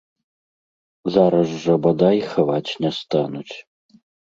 Зараз жа, бадай, хаваць не стануць.